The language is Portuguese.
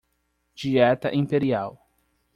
Dieta imperial